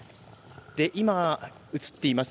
今、映っています